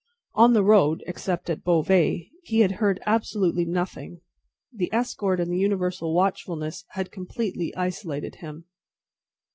On the road (except at Beauvais) he had heard absolutely nothing. The escort and the universal watchfulness had completely isolated him.